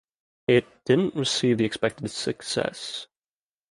It didn't receive the expected success.